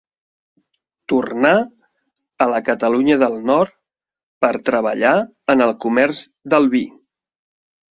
Tornà a la Catalunya del Nord per treballar en el comerç del vi.